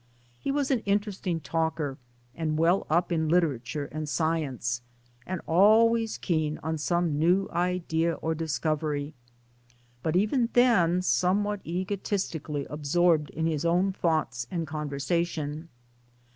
He was an interesting talker, well up in literature and science, and always keen on some new idea or discovery ; but even then somewhat egotistically absorbed in his own thoughts and conversation.